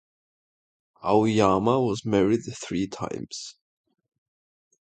Aoyama was married three times.